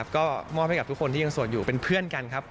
ก็มอบให้กับทุกคนที่ยังสวดอยู่เป็นเพื่อนกันครับ